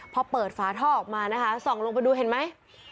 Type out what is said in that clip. พอเปิดฝาท่อออกมานะคะส่องลงไปดูเห็นไหม